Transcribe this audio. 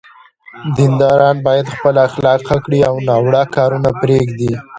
دینداران باید خپل اخلاق ښه کړي او ناوړه کارونه پرېږدي.